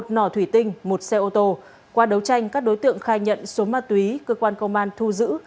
một nỏ thủy tinh một xe ô tô qua đấu tranh các đối tượng khai nhận số ma túy cơ quan công an thu giữ